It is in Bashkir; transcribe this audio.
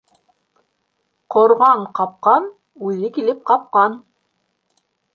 Ҡорған ҡапҡан, үҙе килеп ҡапҡан.